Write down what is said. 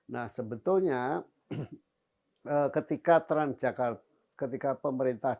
nah sebetulnya ketika tras jakarta ketika perusahaan ini berakhir